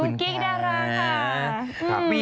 คุณกิ๊กดาราค่ะ